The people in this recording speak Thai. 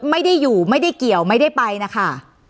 ไม่ได้อยู่ไม่ได้เกี่ยวไม่ได้ไปนะคะ